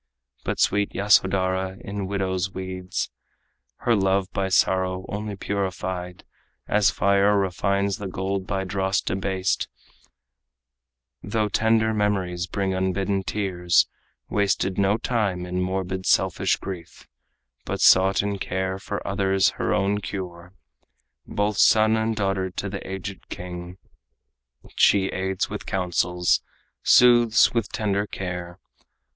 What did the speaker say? But sweet Yasodhara, in widow's weeds, Her love by sorrow only purified As fire refines the gold by dross debased, Though tender memories bring unbidden tears, Wasted no time in morbid, selfish grief, But sought in care for others her own cure. Both son and daughter to the aged king, She aids with counsels, soothes with tender care.